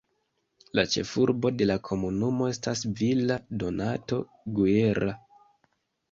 La ĉefurbo de la komunumo estas Villa Donato Guerra.